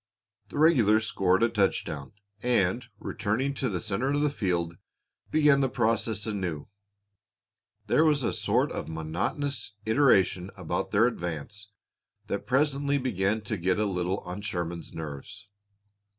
The regulars scored a touchdown and, returning to the center of the field, began the process anew. There was a sort of monotonous iteration about their advance that presently began to get a little on Sherman's nerves.